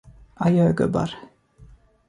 Adjö, gubbar!